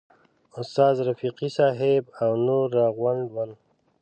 استاد رفیقي صاحب او نور راغونډ ول.